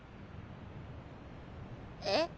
えっ。